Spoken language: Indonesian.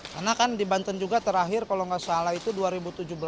karena kan di banten juga terakhir kalau nggak salah itu